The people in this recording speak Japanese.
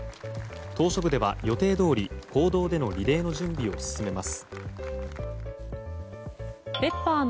島しょ部では予定どおり公道でのリレーの準備を進めます。